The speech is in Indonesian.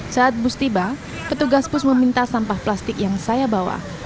saat bus tiba petugas bus meminta sampah plastik yang saya bawa